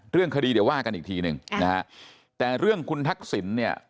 เรื่องคดีเดี๋ยวว่ากันอีกทีหนึ่งนะฮะแต่เรื่องคุณทักษิณเนี่ย